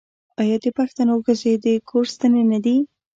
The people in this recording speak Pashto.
آیا د پښتنو ښځې د کور ستنې نه دي؟